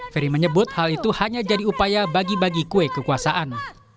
ferry menyebut hal itu hanya jadi upaya bagi bagi kue kekuasaan